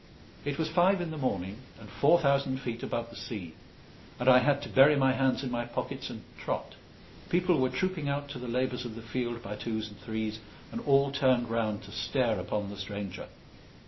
It was five in the morning, and four thousand feet above the sea; and I had to bury my hands in my pockets and trot. People were trooping out to the labours of the field by twos and threes, and all turned round to stare upon the stranger.